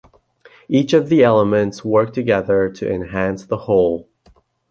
Each of the elements work together to enhance the whole.